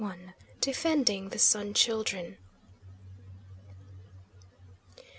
DEFENDING THE SUN CHILDREN.